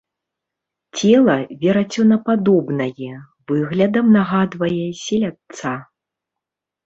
Цела верацёнападобнае, выглядам нагадвае селядца.